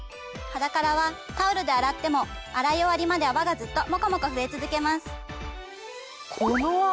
ｈａｄａｋａｒａはタオルで洗っても洗い終わりまで泡がずっともこもこ増え続けます。